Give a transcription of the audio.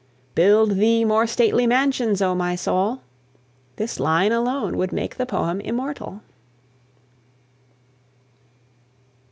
"Build thee more stately mansions, O my soul!" This line alone would make the poem immortal.